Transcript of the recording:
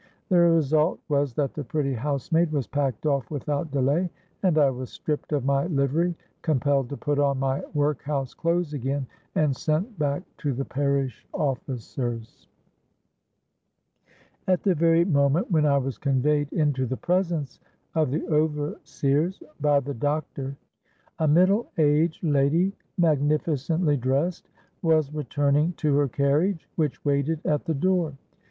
The result was that the pretty housemaid was packed off without delay; and I was stripped of my livery, compelled to put on my workhouse clothes again, and sent back to the parish officers. "At the very moment when I was conveyed into the presence of the overseers by the doctor, a middle aged lady, magnificently dressed, was returning to her carriage which waited at the door.